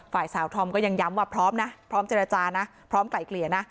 ฝ่ายสาวธอมก็ยังย้ำว่าพร้อมนะพร้อมเจรจานะพร้อมไกลเกลี่ยนะ